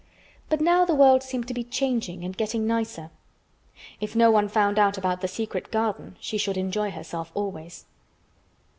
But now the world seemed to be changing and getting nicer. If no one found out about the secret garden, she should enjoy herself always.